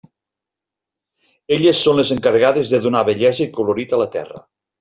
Elles són les encarregades de donar bellesa i colorit a la terra.